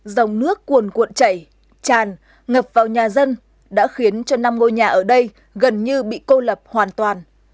dòng nước cuồn cuộn chảy tràn ngập vào nhà dân đã khiến cho năm ngôi nhà ở đây gần như bị cô lập hoàn toàn